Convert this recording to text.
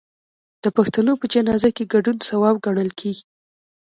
د پښتنو په جنازه کې ګډون ثواب ګڼل کیږي.